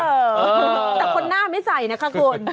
แต่คนหน้าไม่ใส่นะคะคุณ